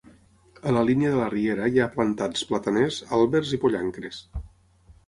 A la línia de la riera hi ha plantats plataners, àlbers i pollancres.